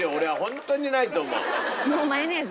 もうマヨネーズ？